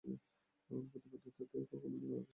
প্রতাপাদিত্য কখনো দুইবার আদেশ করেন?